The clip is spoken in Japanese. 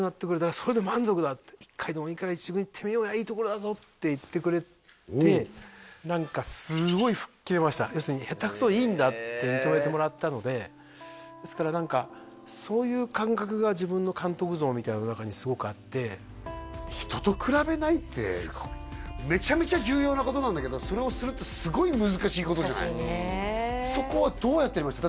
「それで満足だ」って「一回でもいいから１軍いってみようやいいとこだぞ」って言ってくれて何か要するに下手くそでいいんだって認めてもらったのでですから何かそういう感覚が自分の監督像みたいな中にすごくあって人と比べないってめちゃめちゃ重要なことなんだけどそれをするってすごい難しいことじゃないそこはどうやってやりました？